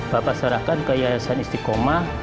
bapak serahkan ke yayasan istiqomah